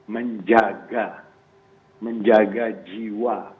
menjaga menjaga jiwa